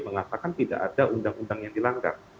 mengatakan tidak ada undang undang yang dilanggar